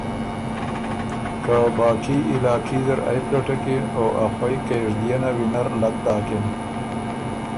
که باقي خالی علاقي زر ائ پلټکِن او ا خوئ کېژدئے نه وینر لک داکِن۔